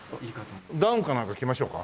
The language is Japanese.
ダウンかなんか着ましょうか？